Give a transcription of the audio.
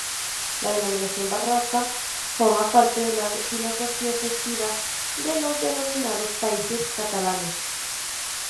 La denominación "barraca" forma parte de la filosofía festiva de los denominados países catalanes.